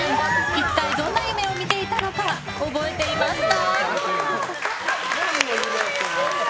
一体どんな夢を見ていたのか覚えていますか？